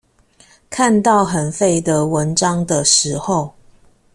看到很廢的文章的時候